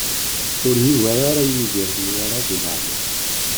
Ur yugar ara Yidir Newwara di leɛmer.